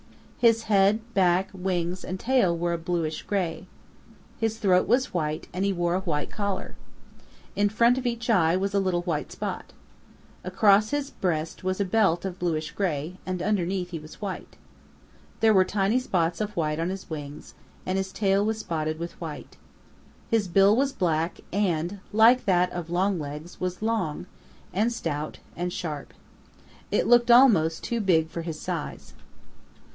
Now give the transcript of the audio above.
His head, back, wings and tail were a bluish gray. His throat was white and he wore a white collar. In front of each eye was a little white spot. Across his breast was a belt of bluish gray, and underneath he was white. There were tiny spots of white on his wings, and his tail was spotted with white. His bill was black and, like that of Longlegs, was long, and stout, and sharp. It looked almost too big for his size.